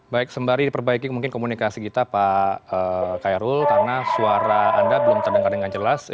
baik sembari diperbaiki mungkin komunikasi kita pak kairul karena suara anda belum terdengar dengan jelas